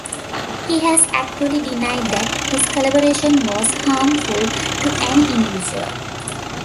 He has actively denied that his collaboration was harmful to any individual.